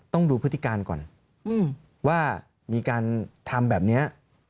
ต้องดูพฤติการก่อนว่ามีการทำแบบนี้